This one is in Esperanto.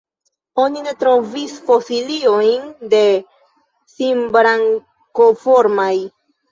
Oni ne trovis fosiliojn de Sinbrankoformaj.